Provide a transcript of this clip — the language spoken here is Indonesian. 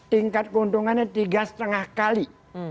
tingkat keuntungannya tiga lima kali